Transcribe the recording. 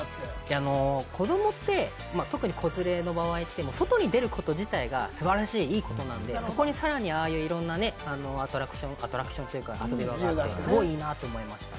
子供って特に子連れの場合って外に出ること自体が素晴らしい、いいことなんで、そこにさらにああいうアトラクションというか、遊び場があるってすごくいいなと思いました。